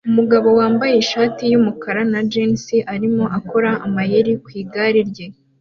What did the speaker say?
Umugabo wambaye ishati yumukara na jans arimo akora amayeri ku igare rye